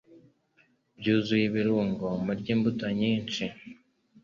byuzuye ibirungo. Murye imbuto nyinshi,